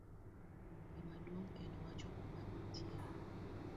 gimaduong' en wacho kuma intiere